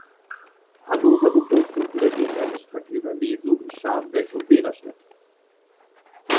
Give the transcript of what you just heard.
Hannover bevorzugte dagegen eine Strecke über Lesum, Scharmbeck und Beverstedt.